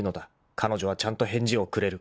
［彼女はちゃんと返事をくれる］